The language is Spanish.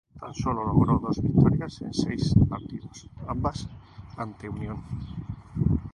Tan solo logró dos victorias en seis partidos, ambas ante Unión.